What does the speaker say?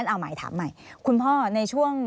พ่อที่รู้ข่าวอยู่บ้าง